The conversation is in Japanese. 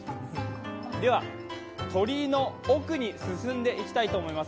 では、鳥居の奥に進んでいきたいと思います。